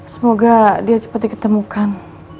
semoga dia cepat diketemukan